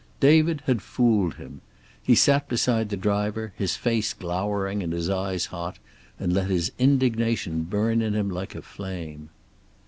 David had fooled him. He sat beside the driver, his face glowering and his eyes hot, and let his indignation burn in him like a flame.